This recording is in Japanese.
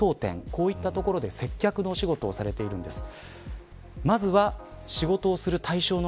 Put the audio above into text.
こういった所で接客の仕事をされているんです。